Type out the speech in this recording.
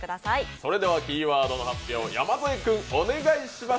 それではキーワードの発表を山添君、お願いします。